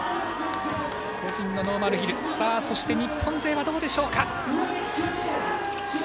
個人のノーマルヒルそして日本勢はどうでしょうか。